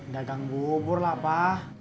dagang bubur lah pak